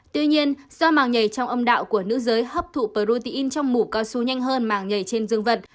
tuy nhiên do màng nhảy trong âm đạo của nữ giới hấp thụ protein trong mũ cao su nhanh hơn màng nhảy trên dương vật